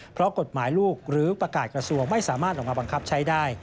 เพราะกฎหมายลูกหรือประกาศกระทรวงไม่สามารถออกมาบังคับใช้ได้